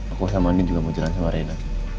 aku sama nin juga mau jalan sama reina